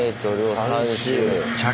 ３周。